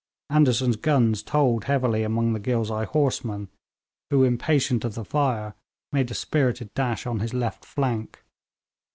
Andersen's guns told heavily among the Ghilzai horsemen, who, impatient of the fire, made a spirited dash on his left flank.